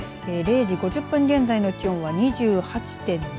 ０時５０分現在の気温は２８．７度。